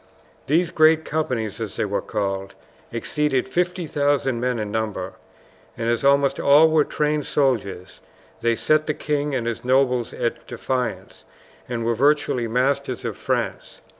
These "great companies," as they were called, exceeded 50,000 men in number, and as almost all were trained soldiers they set the king and his nobles at defiance, and were virtually masters of France.